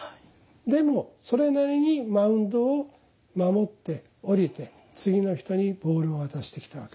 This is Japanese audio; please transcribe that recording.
でもそれなりにマウンドを守って降りて次の人にボールを渡してきたわけですよ。